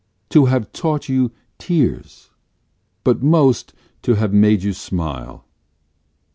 to have taught you tears But most to have made you smile.